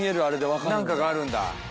何かがあるんだ。